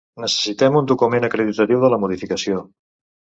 Necessitem un document acreditatiu de la modificació.